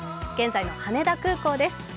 現在の羽田空港です。